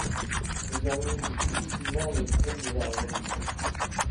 Ce dernier vit difficilement les troubles de la Révolution.